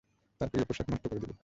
তার প্রিয় পোষাক নষ্ট করে দিব।